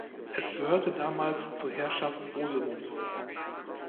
Es gehörte damals zur Herrschaft Rosemont.